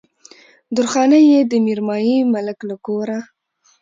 درخانۍ يې د ميرمايي ملک له کوره